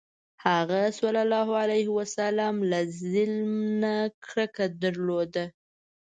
هغه ﷺ له ظلم نه کرکه درلوده.